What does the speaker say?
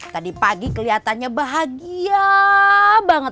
tadi pagi kelihatannya bahagia banget